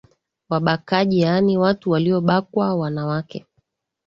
wabakwaji yaani watu waliobakwa wanawake